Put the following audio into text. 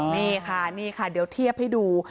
นี่ค่ะนี่ค่ะเดี๋ยวเทียบให้ดู